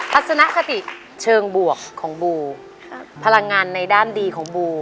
ทัศนคติเชิงบวกของบูพลังงานในด้านดีของบู